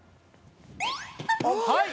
はい！